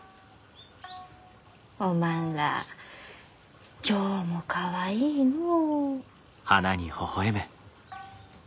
おまんら今日もかわいいのう。